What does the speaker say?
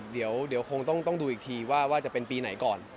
เดี๋ยวคงต้องดูอีกทีว่าจะเป็นปีไหนก่อน